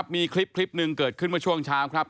มีคลิปหนึ่งเกิดขึ้นเมื่อช่วงเช้าครับ